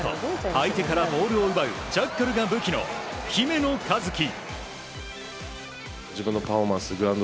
相手からボールを奪うジャッカルが武器の姫野和樹。